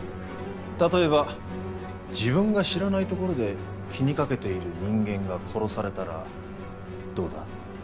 例えば自分が知らないところで気にかけている人間が殺されたらどうだ？